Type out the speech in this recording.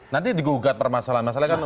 nanti digugat permasalahan masalah